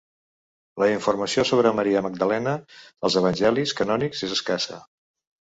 La informació sobre Maria Magdalena als evangelis canònics és escassa.